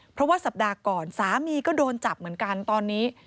เพราะว่าสัปดาห์ก่อนสามีก็โดนจับเหมือนกันตอนนี้